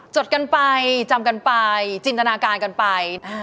จดกันไปจำกันไปจินตนาการกันไป